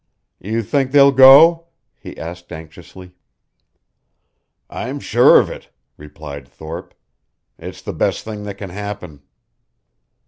"You think they'll go?" he asked, anxiously. "I'm sure of it," replied Thorpe. "It's the best thing that can happen."